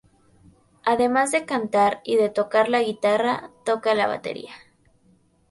Además de cantar y de tocar la guitarra, toca la batería.